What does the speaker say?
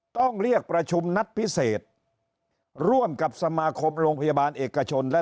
ต้องเรียกประชุมนัดพิเศษร่วมกับสมาคมโรงพยาบาลเอกชนและ